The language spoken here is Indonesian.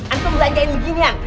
antum belanjain beginian